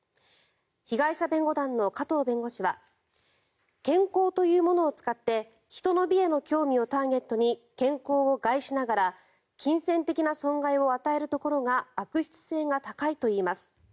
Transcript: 被害者弁護団の加藤弁護士は健康というものを使って人の美への興味をターゲットに健康を害しながら金銭的な損害を与えるところが悪質性が高いといいます。